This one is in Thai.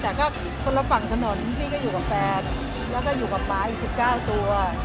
แต่ก็คนละฝั่งถนนพี่ก็อยู่กับแฟนแล้วก็อยู่กับป๊าอีก๑๙ตัว